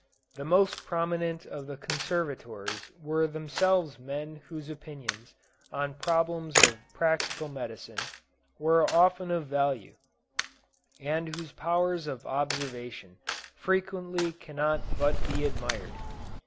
The most prominent of the conservators were themselves men whose opinions on problems of practical medicine were often of value, and whose powers of observation frequently cannot but be admired.